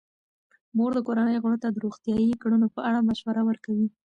مور د کورنۍ غړو ته د روغتیايي کړنو په اړه مشوره ورکوي.